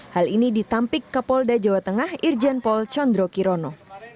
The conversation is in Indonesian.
hal ini ditampik kapolda jawa tengah irjen paul condro quirono